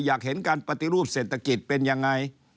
อยากเห็นการปฏิรูปเศรษฐกิจเป็นยังไง